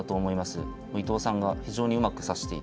伊藤さんが非常にうまく指していて。